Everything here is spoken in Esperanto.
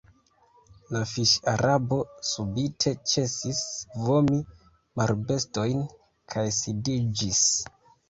La fiŝ-Arabo subite ĉesis vomi marbestojn kaj sidiĝis.